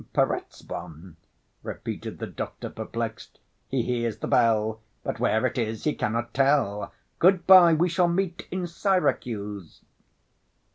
"Perezvon?" repeated the doctor, perplexed. "He hears the bell, but where it is he cannot tell. Good‐by, we shall meet in Syracuse."